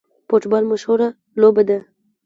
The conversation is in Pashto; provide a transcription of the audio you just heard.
فوټبال مشهوره لوبه ده